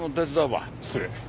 失礼。